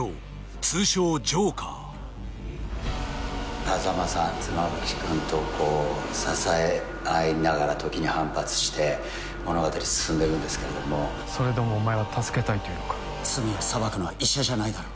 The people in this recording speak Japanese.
通称ジョーカー波佐間さん妻夫木君と支え合いながら時に反発して物語進んでくんですけれどもそれでもお前は助けたいというのか罪を裁くのは医者じゃないだろう